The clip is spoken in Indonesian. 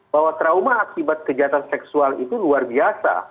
bahwa trauma akibat kejahatan seksual itu luar biasa